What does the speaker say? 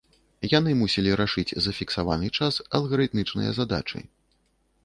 Яны мусілі рашыць за фіксаваны час алгарытмічныя задачы.